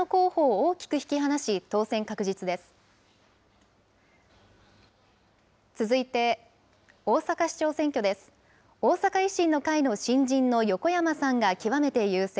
大阪維新の会の新人の横山さんが極めて優勢。